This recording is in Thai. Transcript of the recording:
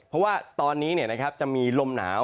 เพราะว่าตอนนี้จะมีลมหนาว